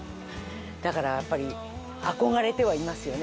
だからやっぱり憧れてはいますよね。